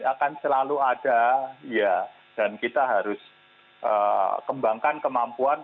akan selalu ada ya dan kita harus kembangkan kemampuan